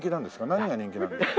何が人気なんですか？